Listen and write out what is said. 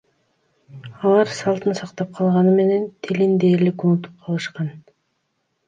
Алар салтын сактап калган менен, тилин дээрлик унутуп калышкан.